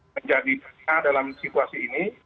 menjadi bencana dalam situasi ini